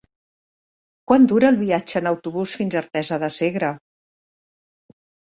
Quant dura el viatge en autobús fins a Artesa de Segre?